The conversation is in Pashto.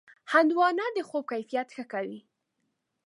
هندوانه د خوب کیفیت ښه کوي.